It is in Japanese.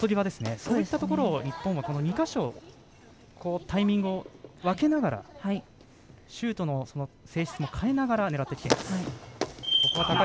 そういったところを日本は２か所タイミングを分けながらシュートの性質を変えながら狙ってきています。